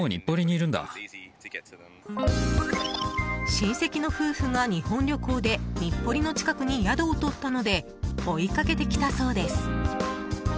親戚の夫婦が日本旅行で日暮里の近くに宿をとったので追いかけてきたそうです。